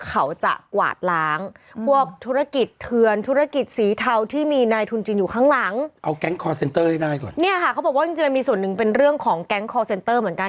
เอาแก๊งซ์คอลร์เซนเตอร์ได้ก่อน